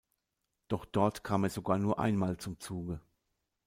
Doch dort kam er sogar nur einmal zum Zuge.